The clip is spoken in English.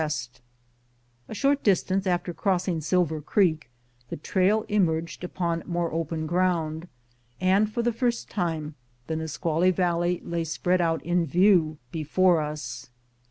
104 FIRST SUCCESSFUL ASCENT, 1870 A short distance after crossing Silver Creek the trail emerged upon more open ground, and for the first time the Nisqually Valley lay spread out in view before us.